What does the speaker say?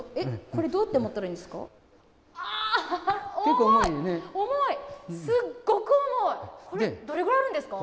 これどうやって持ったらいいですか？